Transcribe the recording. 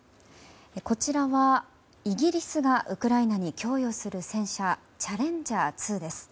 こちらはイギリスがウクライナに供与する戦車チャレンジャー２です。